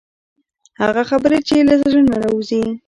هغه خبرې چې له زړه څخه راوځي.